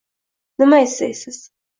Nima istaysiz?